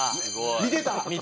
見てた？